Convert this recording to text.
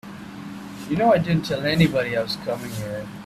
You know I didn't tell anybody I was coming here.